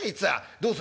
「どうする？」。